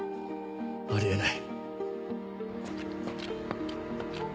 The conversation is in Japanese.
あり得ない。